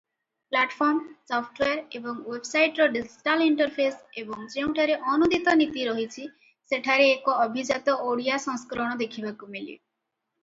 Platform, software ଏବଂ ୱେବସାଇଟର digital interface ଏବଂ ଯେଉଁଠାରେ ଅନୂଦିତ ନୀତି ରହିଛି ସେଠାରେ ଏକ ଅଭିଜାତ ଓଡ଼ିଆ ସଂସ୍କରଣ ଦେଖିବାକୁ ମିଳେ ।